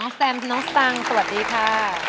แซมน้องสตังค์สวัสดีค่ะ